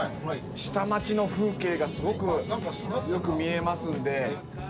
下町の風景がすごくよく見えますんで。